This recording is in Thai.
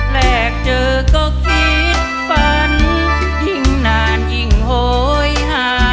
แรกเจอก็คิดฝันยิ่งนานยิ่งโหยหา